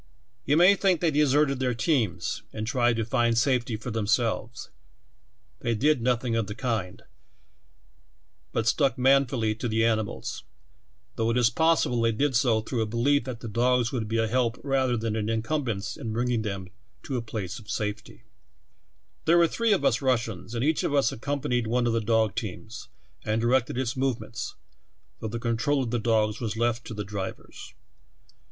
"You may think they deserted their teams, and tried to find safety for themselves ; they did noth ing of the kind, but stuck manfully to the animals, though it is possible they did so through a belief that the dogs would be a help rather than an incumbrance in bringing them to a place of safetjL "There were three of us Russians, and each of us accompanied one of the dog teams and directed its movements, though the control of the dogs FROZEN TO AN ICE FEOE. 43 was left to the drivers.